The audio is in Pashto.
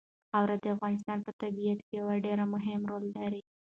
خاوره د افغانستان په طبیعت کې یو ډېر مهم رول لري.